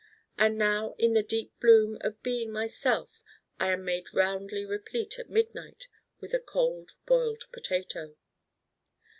And now in the deep bloom of being myself I am made roundly replete at midnight with a Cold Boiled Potato.